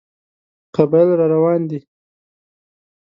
قبایل را روان دي.